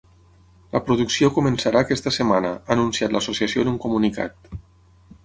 La producció començarà aquesta setmana, ha anunciat l’associació en un comunicat.